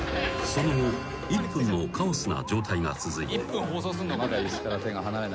［その後１分もカオスな状態が続いて］